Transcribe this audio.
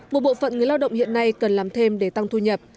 một bộ phận người lao động hiện nay cần làm thêm để tăng thu nhập